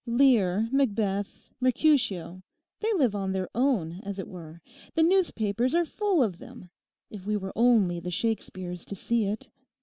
'Lear, Macbeth, Mercutio—they live on their own, as it were. The newspapers are full of them, if we were only the Shakespeares to see it.